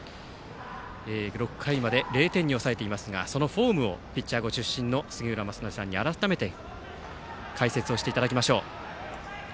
６回まで０点に抑えていますがそのフォームをピッチャーご出身の杉浦正則さんに改めて解説していただきましょう。